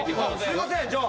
すいませんじゃあ。